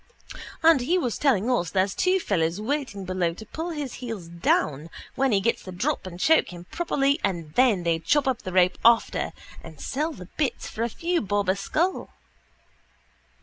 And he was telling us there's two fellows waiting below to pull his heels down when he gets the drop and choke him properly and then they chop up the rope after and sell the bits for a few bob a skull.